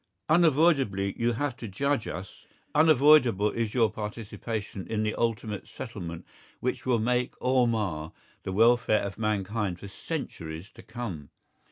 Unavoidably you have to judge us. Unavoidable is your participation in the ultimate settlement which will make or mar the welfare of mankind for centuries to come.